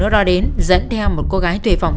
do liên quan đến cô nữ này hay không